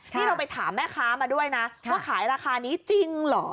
ที่เราไปถามแม่ค้ามาด้วยนะว่าขายราคานี้จริงเหรอ